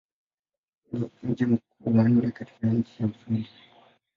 Ni mji mkubwa wa nne katika nchi wa Uswidi.